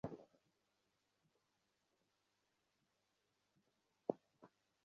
কিছুটা মজা তো পাচ্ছিই!